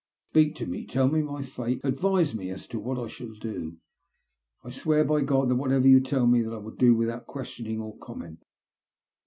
Speak to me, tell me my fate, advise me as to what I shall do. I swear by God that whatever you tell me, that I will do without questioning or comment."